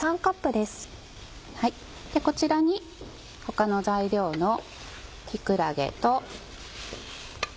でこちらに他の材料の木くらげと。